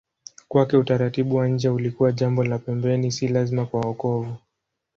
Kwake utaratibu wa nje ulikuwa jambo la pembeni, si lazima kwa wokovu.